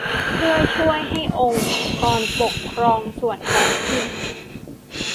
เพื่อช่วยให้องค์กรปกครองส่วนท้องถิ่น